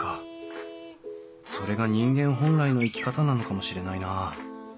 それが人間本来の生き方なのかもしれないなあ。